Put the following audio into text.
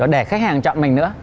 để khách hàng chọn mình nữa